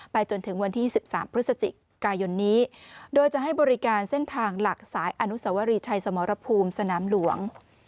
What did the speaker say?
จนถึงวันที่๑๓พฤศจิกายนนี้โดยจะให้บริการเส้นทางหลักสายอนุสวรีชัยสมรภูมิสนามหลวง